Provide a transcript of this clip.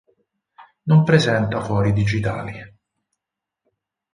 Non presenta fori digitali.